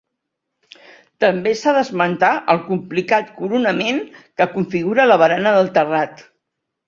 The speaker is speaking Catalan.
També s'ha d'esmentar el complicat coronament que configura la barana del terrat.